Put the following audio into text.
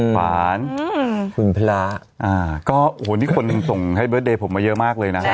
หวานอืมคุณพระอ่าก็โอ้โหนี่คนส่งให้บริษัทเดชน์ผมมาเยอะมากเลยนะฮะ